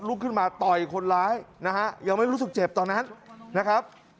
ขึ้นมาต่อยคนร้ายนะฮะยังไม่รู้สึกเจ็บตอนนั้นนะครับ